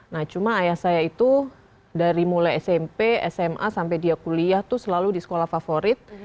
nah cuma ayah saya itu dari mulai smp sma sampai dia kuliah tuh selalu di sekolah favorit